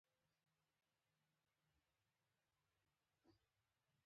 زه د وایرلیس ماؤس بیټرۍ بدلوم.